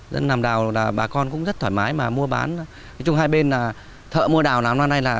dân làm đào là bà con cũng rất thoải mái mà mua bán nói chung hai bên là thợ mua đào làm năm nay là